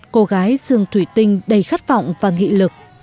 cô gái sương thủy tinh đầy khát vọng và nghị lực